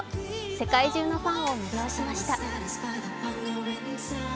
世界中のファンを魅了しました。